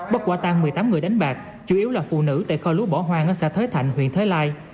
bắt quả tang một mươi tám người đánh bạc chủ yếu là phụ nữ tại kho lúa bỏ hoang ở xã thới thạnh huyện thới lai